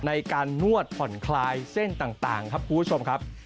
ในการนวดผ่อนคลายเส้นต่างครับคุณผู้ชมครับ